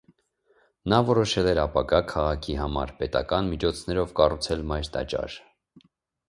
Նա որոշել էր ապագա քաղաքի համար պետական միջոցներով կառուցել մայր տաճար։